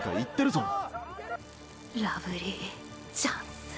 ラブリーチャンス。